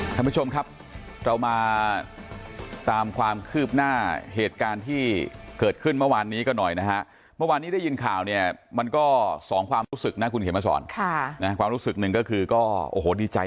ท่านผู้ชมครับเรามาตามความคืบหน้าเหตุการณ์ที่เกิดขึ้นเมื่อวานนี้ก็หน่อยนะฮะเมื่อวานนี้ได้ยินข่าวเนี่ยมันก็สองความรู้สึกนะคุณเขียนมาสอนค่ะนะความรู้สึกหนึ่งก็คือก็โอ้โหดีใจ